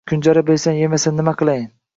— Kunjara bersam, yemasa nima qilayin?